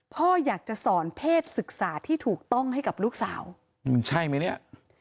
พ่ออยากจะสอนเพศศึกษาที่ถูกต้องให้กับลูกสาวมันใช่ไหมเนี่ย